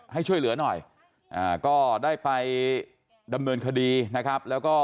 ให้ช่วยเหลือหน่อยก็ได้ไปดำเนินคดีนะครับแล้วก็